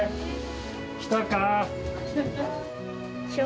来たか。